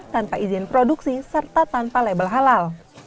tanpa izin produksi serta tanpa label halal